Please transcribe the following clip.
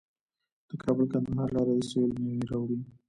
د کابل کندهار لاره د سویل میوې راوړي.